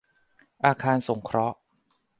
อาคารสงเคราะห์